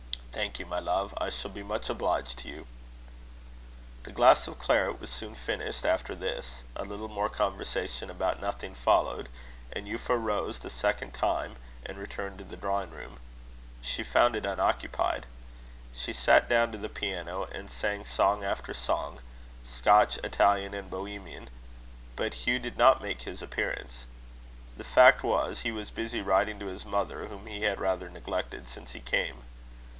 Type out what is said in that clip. "Thank you, my love; I shall be much obliged to you." The glass of claret was soon finished after this. A little more conversation about nothing followed, and Euphra rose the second time, and returned to the drawing room. She found it unoccupied. She sat down to the piano, and sang song after song Scotch, Italian, and Bohemian. But Hugh did not make his appearance. The fact was, he was busy writing to his mother, whom he had rather neglected since he came.